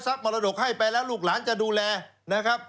มรดกให้ไปแล้วลูกหลานจะดูแลนะครับ